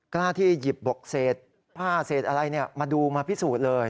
กล้าที่หยิบบอกเศษผ้าเศษอะไรมาดูมาพิสูจน์เลย